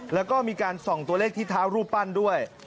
แล้วก็มีการส่องตัวเลขที่เท้ารูปปั้นด้วย